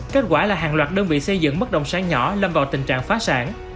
kết quả là hàng loạt đơn vị xây dựng bất động sản nhỏ lâm vào tình trạng phá sản